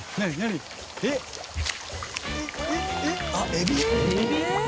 エビ？